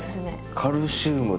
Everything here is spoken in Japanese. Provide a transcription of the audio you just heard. カルシウムと。